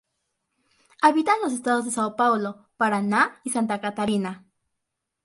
Habita en los estados de São Paulo, Paraná y Santa Catarina.